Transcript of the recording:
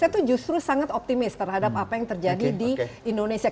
mereka tuh justru sangat optimis terhadap apa yang terjadi di indonesia